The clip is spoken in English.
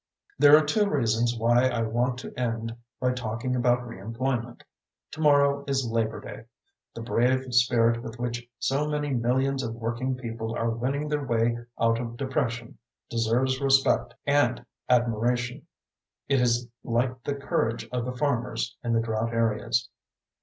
There are two reasons why I want to end by talking about reemployment. Tomorrow is Labor Day. The brave spirit with which so many millions of working people are winning their way out of depression deserves respect and admiration. It is like the courage of the farmers in the drought areas.